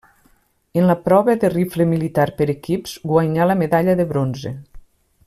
En la prova de rifle militar per equips guanyà la medalla de bronze.